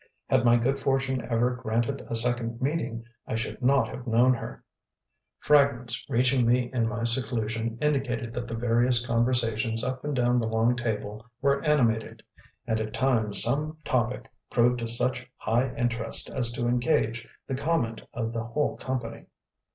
Had my good fortune ever granted a second meeting, I should not have known her. Fragments reaching me in my seclusion indicated that the various conversations up and down the long table were animated; and at times some topic proved of such high interest as to engage the comment of the whole company.